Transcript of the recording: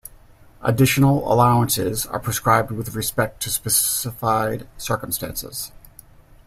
Additional allowances are prescribed with respect to specified circumstances.